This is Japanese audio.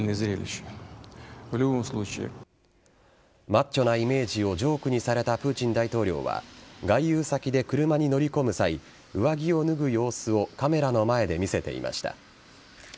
マッチョなイメージをジョークにされたプーチン大統領は外遊先で車に乗り込む際上着を脱ぐ様子をカメラの前で見せていました。